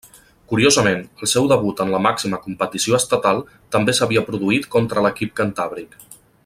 Curiosament, el seu debut en la màxima competició estatal també s'havia produït contra l'equip cantàbric.